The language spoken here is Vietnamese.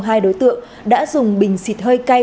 hai đối tượng đã dùng bình xịt hơi cay